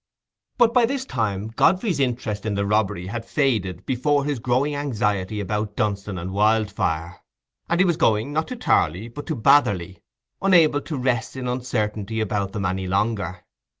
But by this time Godfrey's interest in the robbery had faded before his growing anxiety about Dunstan and Wildfire, and he was going, not to Tarley, but to Batherley, unable to rest in uncertainty about them any longer.